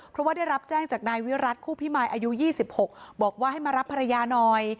เพราะว่าได้รับแจ้งจากนายวิรัติคู่พิมายอายุ๒๖บอกว่าให้มารับภรรยาหน่อย